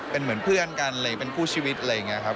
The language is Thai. เป็นเหมือนเพื่อนกันอะไรเป็นคู่ชีวิตอะไรอย่างนี้ครับ